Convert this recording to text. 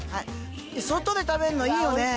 外で食べるのいいよね。